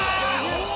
うわ！